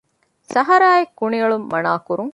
ސަހަރާއަށް ކުނިއެޅުން މަނާ ކުރުން